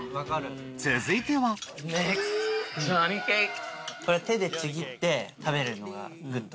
続いては手でちぎって食べるのがグッド？